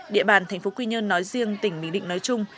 địa bàn tp quy nhơn nói riêng tỉnh bình định nói chung